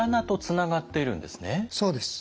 そうです。